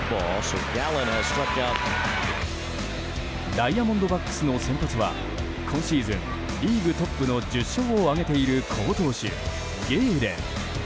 ダイヤモンドバックスの先発は今シーズンリーグトップの１０勝を挙げている好投手ゲーレン。